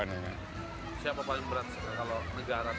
siapa paling berat kalau negara tadi parah